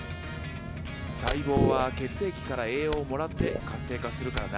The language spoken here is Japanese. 細胞は血液から栄養をもらって活性化するからな。